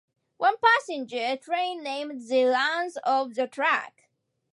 One passenger train named the runs on the track.